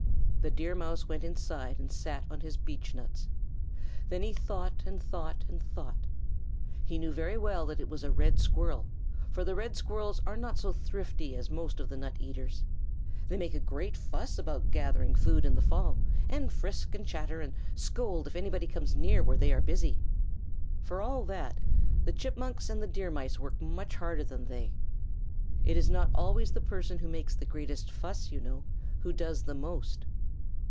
The Deer Mouse went inside and sat on his beechnuts. Then he thought and thought and thought. He knew very well that it was a Red Squirrel, for the Red Squirrels are not so thrifty as most of the nut eaters. They make a great fuss about gathering food in the fall, and frisk and chatter and scold if anybody else comes where they are busy. For all that, the Chipmunks and the Deer Mice work much harder than they. It is not always the person who makes the greatest fuss, you know, who does the most.